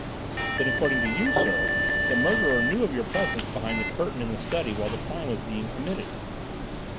"Then according to you, sir, the murderer knew of your presence behind the curtain in the study while the crime was being committed."